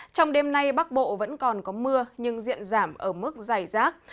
trong đêm nay bắc bộ vẫn còn có mưa nhưng diện giảm ở mức dày rác